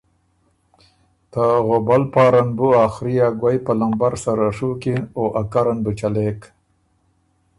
ته غوبل پاره ن بُو ا خري او ګوَئ په لمبر سَرَه ڒُوکِن او ا کره ن بُو چلېک۔